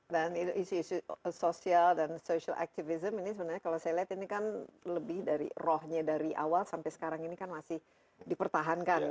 dan isu isu sosial dan social activism ini sebenernya kalo saya liat ini kan lebih dari rohnya dari awal sampe sekarang ini kan masih dipertahankan ya